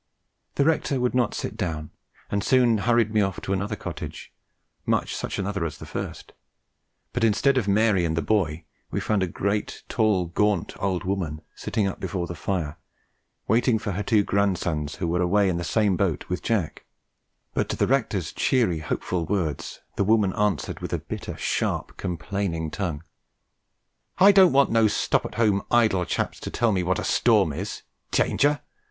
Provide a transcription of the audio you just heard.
The rector would not sit down, and soon hurried me off to another cottage, much such another as the first; but instead of Mary and the boy, we found a great, tall, gaunt old woman, sitting up before the fire, waiting for her two grandsons, who were away in the same boat with Jack; but to the rector's cheery, hopeful words, the woman answered with a bitter, sharp, complaining tongue: "I don't want no stop at home idle chaps to tell me what a storm is. Danger!